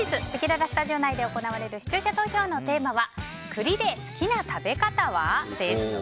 本日、せきららスタジオ内で行われる視聴者投票のテーマは栗で好きな食べ方は？です。